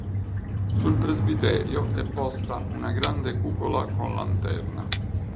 Sul presbiterio è posta una grande cupola con lanterna.